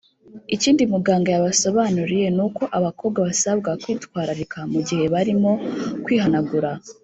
Ikindi Muganga yabasobanuriye ni uko abakobwa basabwa kwitwararika mu gihe barimo kwihanagura